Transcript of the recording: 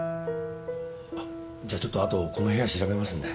じゃちょっとあとこの部屋調べますんで。